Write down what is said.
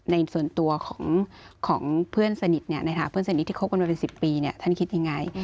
ในส่วนตัวของเพื่อนสนิทที่คบกันมาเป็น๑๐ปีท่านคิดยังไง